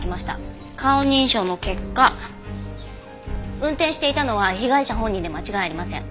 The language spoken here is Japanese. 顔認証の結果運転していたのは被害者本人で間違いありません。